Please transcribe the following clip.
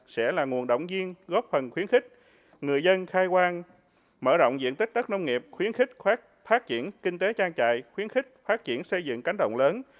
sẽ là nguồn động viên góp phần khuyến khích người dân khai quang mở rộng diện tích đất nông nghiệp khuyến khích phát triển kinh tế trang trại khuyến khích phát triển xây dựng cánh đồng lớn